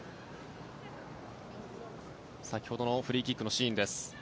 先ほどのフリーキックのシーンです。